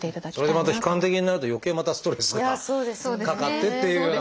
それでまた悲観的になるとよけいまたストレスがかかってっていうようなことになるので。